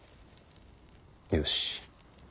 よし。